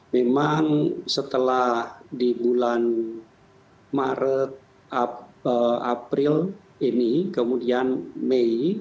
memang setelah di bulan maret april ini kemudian mei